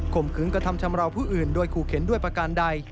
มขืนกระทำชำราวผู้อื่นโดยขู่เข็นด้วยประการใด